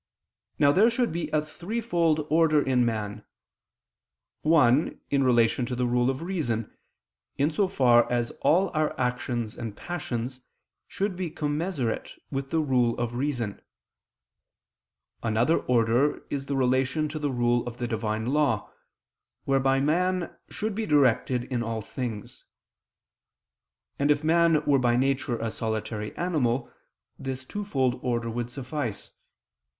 Now there should be a threefold order in man: one in relation to the rule of reason, in so far as all our actions and passions should be commensurate with the rule of reason: another order is in relation to the rule of the Divine Law, whereby man should be directed in all things: and if man were by nature a solitary animal, this twofold order would suffice.